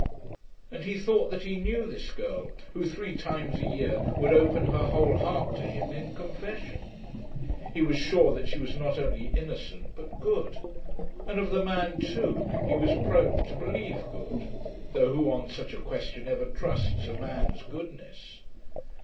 And he thought that he knew this girl, who three times a year would open her whole heart to him in confession. He was sure that she was not only innocent, but good. And of the man, too, he was prone to believe good; though who on such a question ever trusts a man's goodness?